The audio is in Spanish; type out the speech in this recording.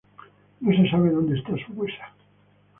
No se sabe donde está su huesa.